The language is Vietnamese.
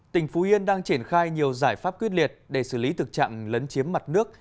tỉnh phú yên đang triển khai nhiều giải pháp quyết liệt để xử lý thực trạng lấn chiếm mặt nước